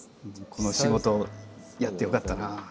この仕事やってよかったなあ。